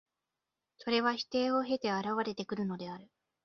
それは否定を経て現れてくるのである。